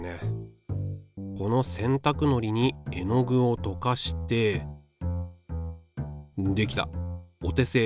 この洗たくのりに絵の具をとかしてできたお手製